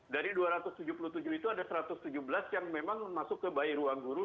dari dua ratus tujuh puluh tujuh itu ada satu ratus tujuh belas yang memang masuk ke bayi ruang guru